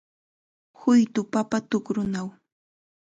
Huytu papa tukrunaw